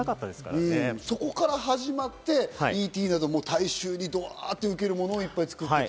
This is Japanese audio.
そこから始まって『Ｅ．Ｔ．』など、大衆にドワっと受けるものを作っていた。